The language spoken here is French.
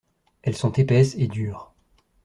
Elles sont épaisses et dures.